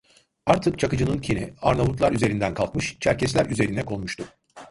Artık Çakıcı'nın kini Arnavutlar üzerinden kalkmış, Çerkesler üzerine konmuştu.